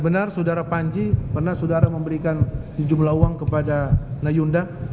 benar saudara panji pernah saudara memberikan sejumlah uang kepada nayunda